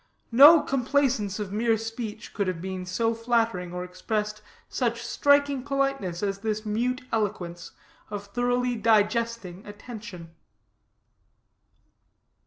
No complaisance of mere speech could have been so flattering, or expressed such striking politeness as this mute eloquence of thoroughly digesting attention.